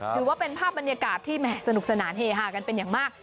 ถือว่าเป็นภาพบรรยากาศที่แห่สนุกสนานเฮฮากันเป็นอย่างมาก